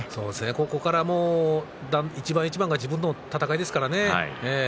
ここから一番一番が自分との闘いですからね。